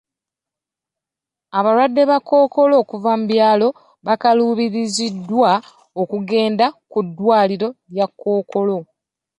Abalwadde ba Kkookolo okuva mu byalo bakaluubirizibwa okugenda ku ddwaliro lya Kkookolo.